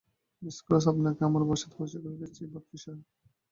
Miss Cross, আপনাকে আমার বাবার সাথে পরিচয় করিয়ে দিচ্ছি, বার্ট ফিশার।